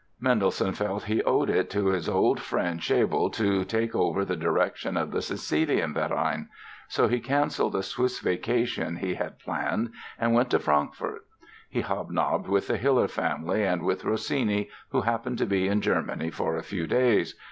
Mendelssohn felt he owed it to his old friend, Schelble, to take over the direction of the Cäcilienverein; so he cancelled a Swiss vacation he had planned and went to Frankfort. He hobnobbed with the Hiller family and with Rossini, who happened to be in Germany for a few days.